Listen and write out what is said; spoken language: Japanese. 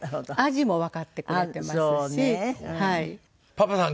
「パパさん